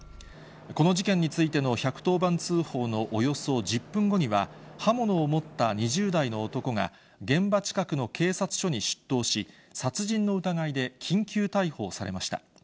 この事件についての１１０番通報のおよそ１０分後には、刃物を持った２０代の男が、現場近くの警察署に出頭し、殺人の疑いで緊急逮捕されました。